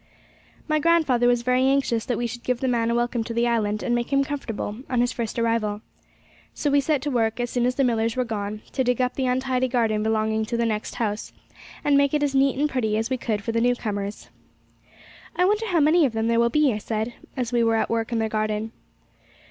My grandfather was very anxious that we should give the man a welcome to the island, and make him comfortable on his first arrival. So we set to work, as soon as the Millars were gone, to dig up the untidy garden belonging to the next house, and make it as neat and pretty as we could for the new comers. 'I wonder how many of them there will be,' I said, as we were at work in their garden.